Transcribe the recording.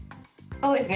そうですね